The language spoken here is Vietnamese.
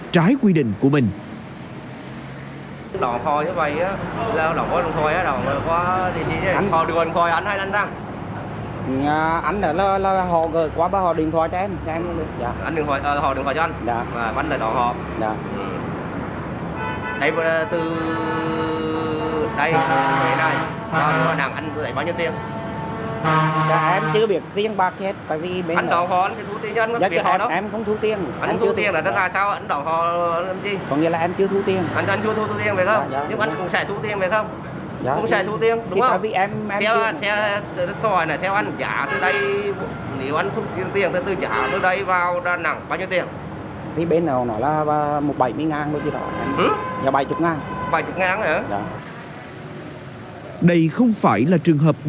trái quy định của mình